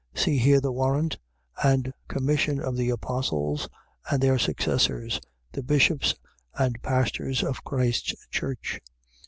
.See here the warrant and commission of the apostles and their successors, the bishops and pastors of Christ's church.